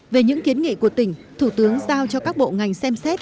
về những kiến nghị của tỉnh thủ tướng giao cho các bộ ngành xem xét